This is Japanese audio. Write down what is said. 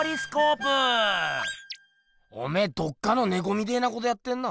おめえどっかのねこみてえなことやってんな。